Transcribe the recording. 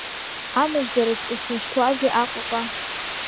Амыждаразы усмышьҭуази Аҟәаҟа.